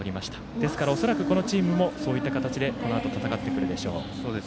ですから、恐らくこのチームも、そういうふうにこのあと戦ってくるでしょう。